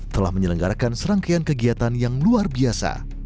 telah menyelenggarakan serangkaian kegiatan yang luar biasa